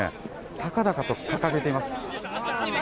高々と掲げています。